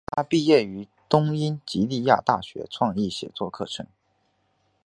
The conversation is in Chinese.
她毕业于东英吉利亚大学创意写作课程。